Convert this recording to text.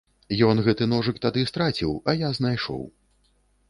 Ён гэты ножык тады страціў, а я знайшоў.